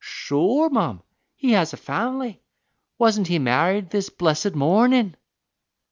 "Sure, mum, he has a family; wasn't he married this blessed mornin'?"